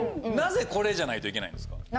なぜこれじゃないといけないんですか？